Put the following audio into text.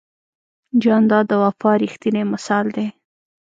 جانداد د وفا ریښتینی مثال دی.